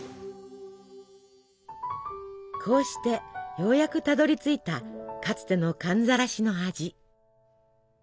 こうしてようやくたどりついたかつての寒ざらしの味。